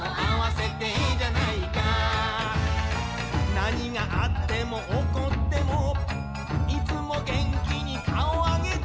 「何があっても起こっても」「いつも元気に顔上げて」